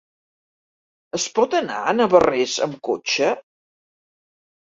Es pot anar a Navarrés amb cotxe?